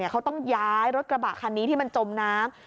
เขาต้องย้ายรถกระบะคันนี้ที่มันจมน้ำ